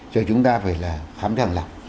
rồi chúng ta phải là khám thẳng lập